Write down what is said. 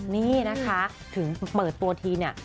นี่นะคะถึงเปิดตัวทีเนี่ย